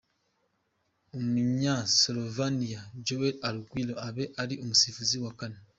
Umunya Slovenia, Joel Aguilar abe ari umusifuzi wa kane.